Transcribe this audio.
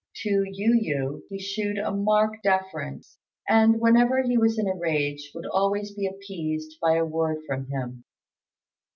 To Yu yü he shewed a marked deference, and, whenever he was in a rage, would always be appeased by a word from him.